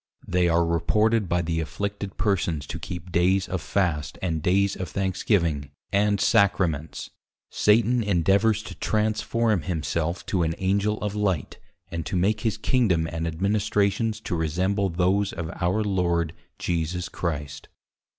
They are reported by the Afflicted Persons to keep dayes of Fast and dayes of Thanksgiving, and Sacraments; Satan endeavours to Transforme himself to an Angel of Light, and to make his Kingdom and Administrations to resemble those of our Lord Jesus Christ.